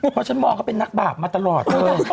เพราะฉันมองเขาเป็นนักบาปมาตลอดเธอ